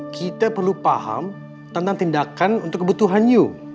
kita perlu paham tentang tindakan untuk kebutuhan new